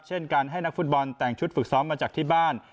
เช่นการให้นักฟุตบอลแต่งชุดฝึกซ้อมมาจากที่บ้าน